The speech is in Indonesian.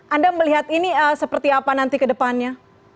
anda melihat ini seperti apa nanti ke depannya